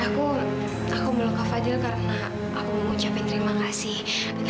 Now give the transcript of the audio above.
aku aku meluka fadhil karena aku mau ngucapin terima kasih